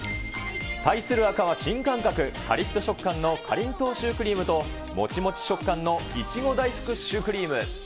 対する赤は新感覚、かりっと食感のかりんとうシュークリームと、もちもち食感の苺大福シュークリーム。